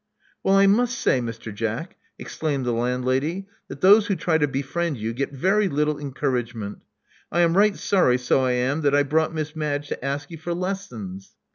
"Well I must say, Mr. Jack," exclaimed the land lady, "that those who try to befriend you get very little encouragement. I am right sorry, so I am, that I brought Miss Madge to ask you for lessons."